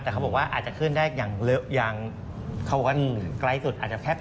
แต่เขาบอกว่าอาจจะขึ้นได้อย่างเท่ากันไกลสุด